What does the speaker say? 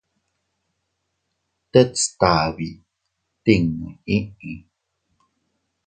Tet stabi tinnu yiʼi.